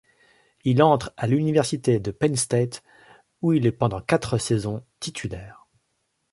Il entre à l'université de Penn State où il est pendant quatre saisons titulaire.